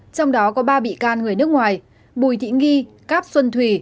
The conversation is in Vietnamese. trong đó có ba bị can người nước ngoài